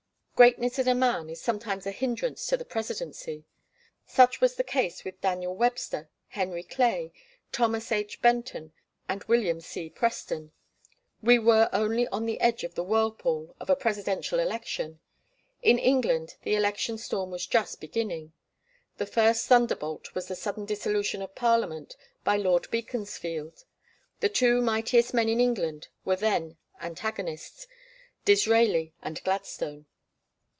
Greatness in a man is sometimes a hindrance to the Presidency. Such was the case with Daniel Webster, Henry Clay, Thomas H. Benton, and William C. Preston. We were only on the edge of the whirlpool of a presidential election. In England the election storm was just beginning. The first thunderbolt was the sudden dissolution of Parliament by Lord Beaconsfield. The two mightiest men in England then were antagonists, Disraeli and Gladstone.